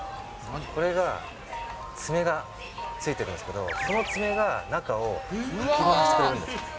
これがツメがついてるんですけど、このツメが中をかき回してくれるんです。